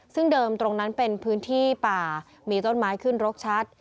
ซึ่งเดิมตรงนั้นเป็นพื้นที่ป่ามีต้นไม้ขึ้นรกชัด